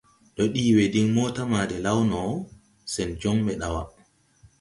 Ndo dii we din mota ma de law no, sen joŋ mbɛ dawa.